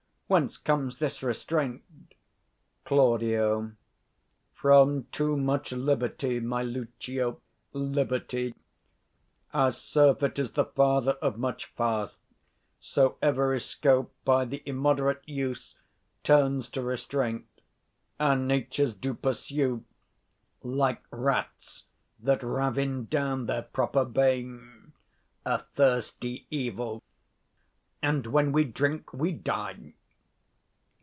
whence comes this restraint? Claud. From too much liberty, my Lucio, liberty: As surfeit is the father of much fast, 120 So every scope by the immoderate use Turns to restraint. Our natures do pursue, Like rats that ravin down their proper bane, A thirsty evil; and when we drink we die.